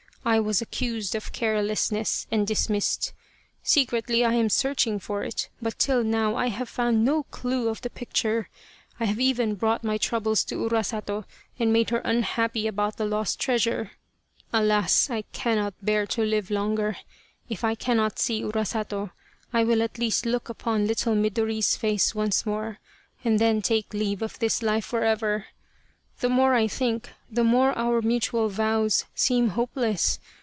I was accused of carelessness and dismissed. Secretly I am searching for it, but till now I have found no clue of the picture. I have even brought my troubles 138 Urasato, or the Crow of Dawn to Urasato, and made her unhappy about the lost treasure. Alas ! I cannot bear to live longer. If I cannot see Urasato I will at least look upon little Midori's face once more and then take leave of this life for ever. The more I think, the more our mutual vows seem hopeless.